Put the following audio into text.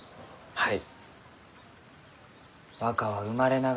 はい。